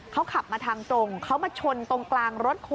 เขาขับมาทางตรงเขามาชนตรงกลางรถ